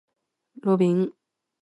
ロビン